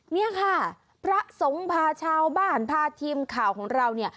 เนี่ยค่ะพระสงฆ์พาชาวบ้านพาทีมข่าวของเราเนี่ย